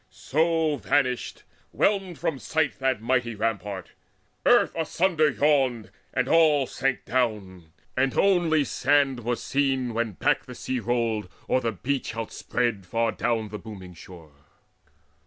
So vanished, whelmed from sight, That mighty rampart. Earth asunder yawned, And all sank down, and only sand was seen, When back the sea rolled, o'er the beach outspread Far down the heavy booming shore.